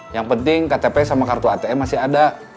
yang penting ktp masih ada